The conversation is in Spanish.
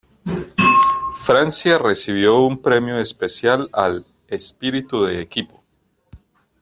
Francia recibió un premio especial al "Espíritu de equipo".